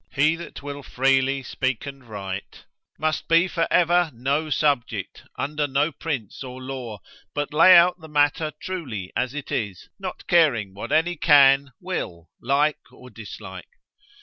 He that will freely speak and write, must be for ever no subject, under no prince or law, but lay out the matter truly as it is, not caring what any can, will, like or dislike.